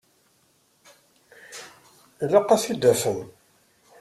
Ilaq ad t-id-tafem.